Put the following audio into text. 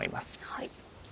はい。